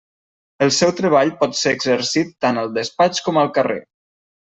El seu treball pot ser exercit tant al despatx com al carrer.